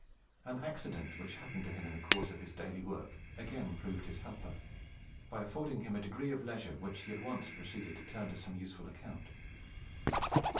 An accident which happened to him in the course of his daily work, again proved his helper, by affording him a degree of leisure which he at once proceeded to turn to some useful account.